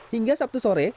hingga sabtu sore